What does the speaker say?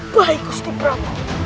baik usti pramu